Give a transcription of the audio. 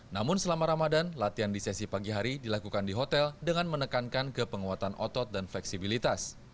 namun selama ramadan latihan di sesi pagi hari dilakukan di hotel dengan menekankan ke penguatan otot dan fleksibilitas